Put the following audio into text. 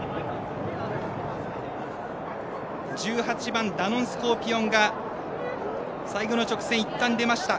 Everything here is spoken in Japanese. １８番、ダノンスコーピオンが最後の直線、いったん出ました。